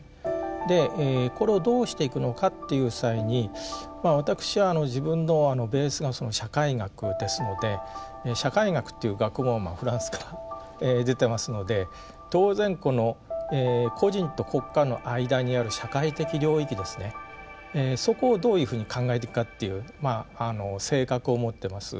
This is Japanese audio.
でこれをどうしていくのかという際に私は自分のベースが社会学ですので社会学っていう学問はフランスから出てますので当然この個人と国家の間にある社会的領域ですねそこをどういうふうに考えていくかっていう性格を持ってます。